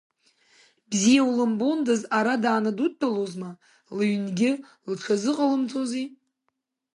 Бзиа улымбондаз ара дааны дудтәалозма, лыҩнгьы лҽазыҟалымҵози.